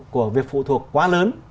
của việc phụ thuộc quá lớn